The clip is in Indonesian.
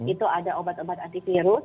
itu ada obat obat antivirus